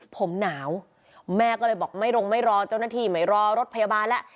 ผมหนาวแม่ก็เลยบอกไม่ลงไม่รอเจ้าหน้าที่ไม่รอรถพยาบาลแล้ว